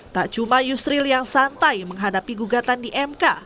tak cuma yusril yang santai menghadapi gugatan di mk